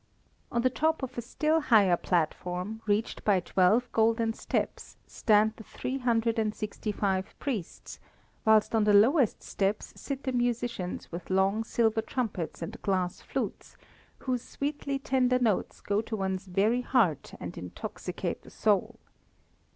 On the top of a still higher platform, reached by twelve golden steps, stand the three hundred and sixty five priests, whilst on the lowest steps sit the musicians with long silver trumpets and glass flutes, whose sweetly tender notes go to one's very heart and intoxicate the soul.